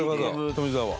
富澤は？